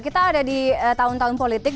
kita ada di tahun tahun politik